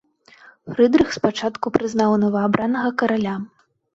Фрыдрых спачатку прызнаў новаабранага караля.